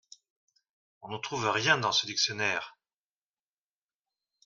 On ne trouve rien dans ce dictionnaire !